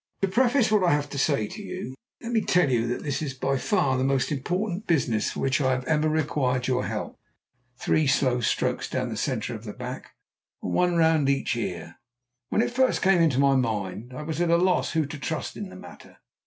"To preface what I have to say to you, let me tell you that this is by far the most important business for which I have ever required your help. (Three slow strokes down the centre of the back, and one round each ear.) When it first came into my mind I was at a loss who to trust in the matter.